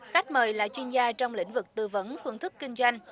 khách mời là chuyên gia trong lĩnh vực tư vấn phương thức kinh doanh